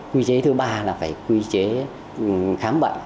quy chế thứ ba là phải quy chế khám bệnh